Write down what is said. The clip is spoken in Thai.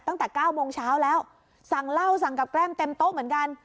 ตั้งแต่๙โมงเช้าแล้วสั่งเหล้าสั่งกับแก้มเต็มโต๊ะเหมือนกัน